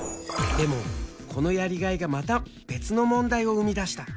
でもこのやりがいがまた別の問題を生み出した。